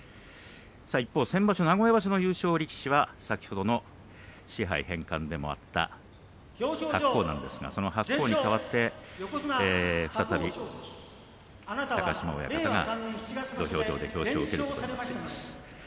一方、先場所名古屋場所の優勝力士は先ほどの賜盃返還でもあった白鵬なんですが白鵬に代わって再び高島親方が土俵上で表彰を受けます。